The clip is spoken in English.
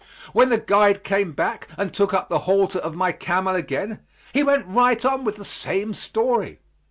When the guide came back and took up the halter of my camel again, he went right on with the same story.